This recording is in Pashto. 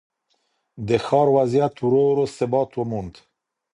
د ښار وضعیت ورو ورو ثبات وموند.